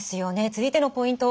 続いてのポイント